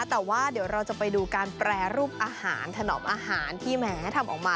แต่ว่าเดี๋ยวเราจะไปดูการแปรรูปอาหารถนอมอาหารที่แหมทำออกมา